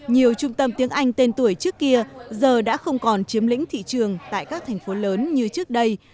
nhiều trung tâm tiếng anh tên tuổi trước kia giờ đã không còn chiếm lĩnh thị trường tại các thành phố lớn như trước đây